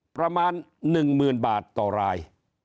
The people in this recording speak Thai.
ประมาณหนึ่งหมื่นบาทต่อราย